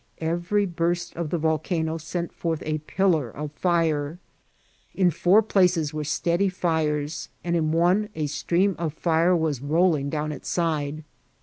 Every burst of the volcano sent forth a pillar of fire ; in four places were steady fires, and in one a stream of fire was rolling down its side.